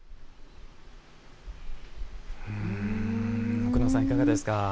奥野さん、いかがですか。